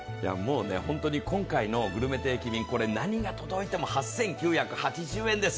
本当に今回のグルメ定期便、何が届いても８９８０円です。